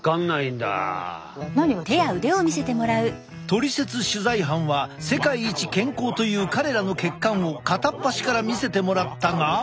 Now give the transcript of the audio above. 「トリセツ」取材班は世界一健康という彼らの血管を片っ端から見せてもらったが。